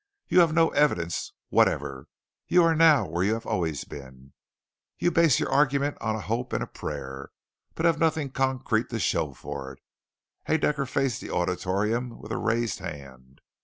"You have no evidence whatever. You are now where you have always been. You base your argument on a hope and a prayer but have nothing concrete to show for it." Haedaecker faced the auditorium with a raised hand.